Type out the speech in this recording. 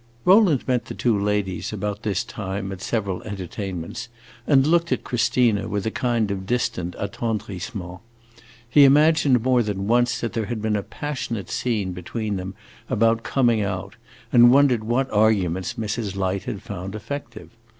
Rowland met the two ladies, about this time, at several entertainments, and looked at Christina with a kind of distant attendrissement. He imagined more than once that there had been a passionate scene between them about coming out, and wondered what arguments Mrs. Light had found effective.